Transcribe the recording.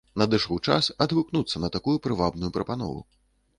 Надышоў час адгукнуцца на такую прывабную прапанову.